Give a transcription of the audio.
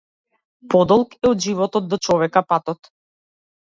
Подолг е од животот до човека патот.